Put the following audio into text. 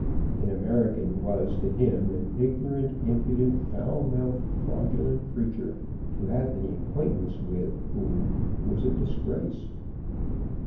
An American was to him an ignorant, impudent, foul mouthed, fraudulent creature, to have any acquaintance with whom was a disgrace.